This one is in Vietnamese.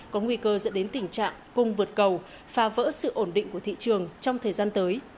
có nguy cơ dẫn đến tình trạng cung vượt cầu phá vỡ sự ổn định của thị trường trong thời gian tới